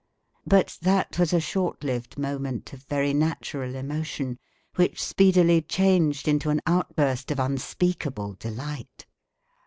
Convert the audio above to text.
But that was a short lived moment of very natural emotion which speedily changed into an outburst of unspeakable delight.